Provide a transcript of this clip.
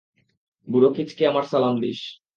বুড়ো কিচকে আমার সালাম দিস!